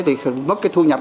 thì mất cái thu nhập